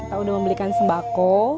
kita sudah membelikan sembako